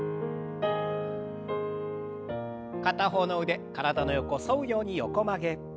片方の腕体の横沿うように横曲げ。